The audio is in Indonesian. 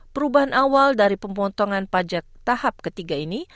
perubahan awal dari pemotongan pajak tahap ketiga ini